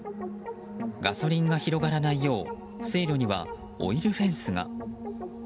ガソリンが広がらないよう水路にはオイルフェンスが。